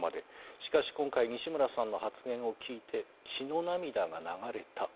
しかし今回、西村さんの発言を聞いて血の涙が流れた。